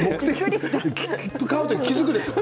切符買う時に気付くでしょ？